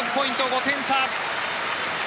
５点差。